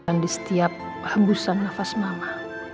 dan di setiap hembusan nafas mama